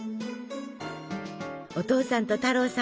お父さんと太郎さん